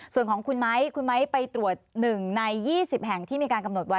ส่วนของคุณไม้คุณไม้ไปตรวจ๑ใน๒๐แห่งที่มีการกำหนดไว้